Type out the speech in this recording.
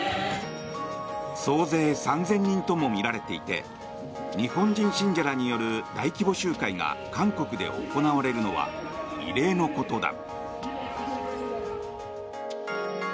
総勢３０００人ともみられていて日本人信者らによる大規模集会が韓国で行われるのは異例のことだ。